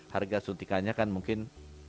harga suntikannya kan mungkin